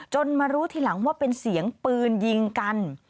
มารู้ทีหลังว่าเป็นเสียงปืนยิงกัน